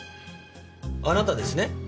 あなたですね？